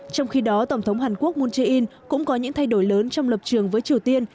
trong khi đó tổng thống hàn quốc moon jae in cũng có những thay đổi lớn trong lập trường với triều tiên